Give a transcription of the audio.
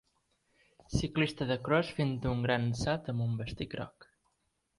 Ciclista de cros fent un gran salt amb un vestit groc.